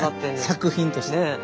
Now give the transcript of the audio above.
作品として。